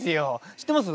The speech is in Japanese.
知ってます？